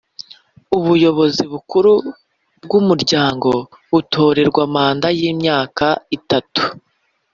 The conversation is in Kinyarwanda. Ubuyobozi bukuru bw’umuryango butorerwa manda y’imyaka itatu